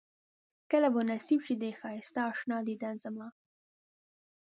کله به نصيب شي د ښائسته اشنا ديدن زما